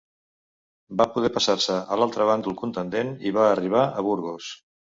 Va poder passar-se a l'altre bàndol contendent i va arribar a Burgos.